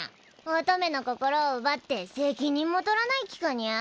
乙女の心を奪って責任も取らない気かニャ？